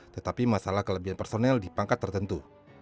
tetapi masalah kelebihan personel di pangkat tertentu